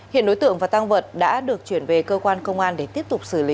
hiện đối tượng và tăng vật đã được chuyển về cơ quan công an để tiếp tục xử lý